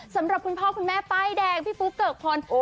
สำหรับคุณพ่อคุณแม่ป้ายแดงพี่ปู๊คเก๋อส้อะไร